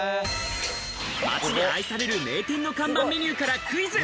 街で愛される名店の看板メニューからクイズ。